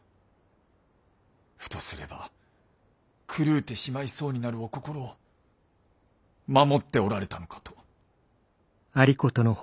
ふとすれば狂うてしまいそうになるお心を守っておられたのかと。